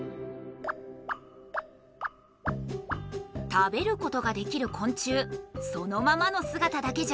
食べることができる昆虫そのままのすがただけじゃありません。